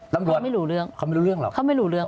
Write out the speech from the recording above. ตำรวจเขาไม่รู้เรื่อง